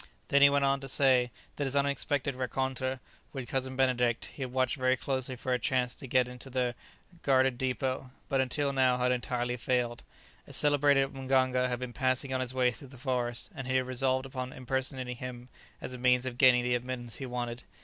Then he went on to say that since his unexpected rencontre with Cousin Benedict he had watched very closely for a chance to get into the guardeddépôt, but until now had entirely failed. A celebrated mganga had been passing on his way through the forest, and he had resolved upon impersonating him as a means of gaining the admittance he wanted.